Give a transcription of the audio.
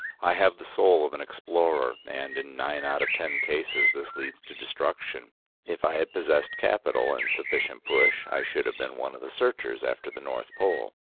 I have the soul of an explorer, and in nine out of ten cases this leads to destruction. If I had possessed capital and sufficient push, I should have been one of the searchers after the North Pole.